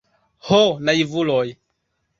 Ho naivuloj!